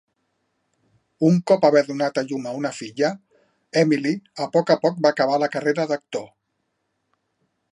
Un cop haver donat a llum a una filla, Emily, a poc a poc va acabar la carrera d'actor.